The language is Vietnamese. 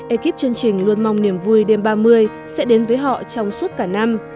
ekip chương trình luôn mong niềm vui đêm ba mươi sẽ đến với họ trong suốt cả năm